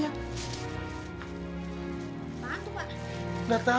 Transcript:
bapak bantu pak